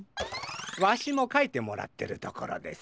わしもかいてもらってるところです。